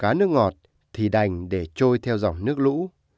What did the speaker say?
mấy hổ cá nước ngọt thì đành để trôi theo dòng nước lũ